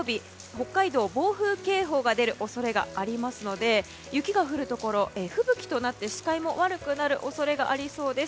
北海道に暴風警報が出る恐れがあるので雪が降るところ、吹雪となって視界も悪くなる恐れがありそうです。